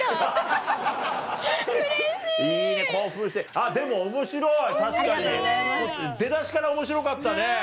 あっでも面白い確かに出だしから面白かったね。